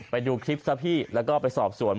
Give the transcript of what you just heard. ไปดูคลิปซะพี่แล้วก็ไปสอบสวน